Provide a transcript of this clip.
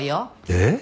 えっ？